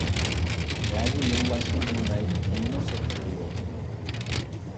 نەگە يوللاشنى بىلمەي تېما شەكلىدە يوللىدىم.